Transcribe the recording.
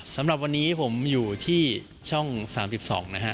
สำหรับวันนี้ผมอยู่ที่ช่อง๓๒นะฮะ